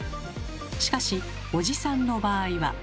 しかしおじさんの場合は。